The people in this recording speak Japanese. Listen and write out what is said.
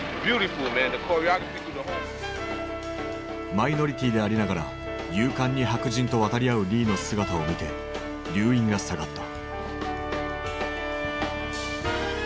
マイノリティーでありながら勇敢に白人と渡り合うリーの姿を見て留飲が下がった。